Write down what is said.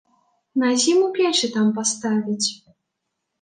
На зіму печы там паставяць.